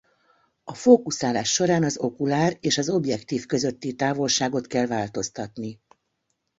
A fókuszálás során az okulár és az objektív közötti távolságot kell változtatni.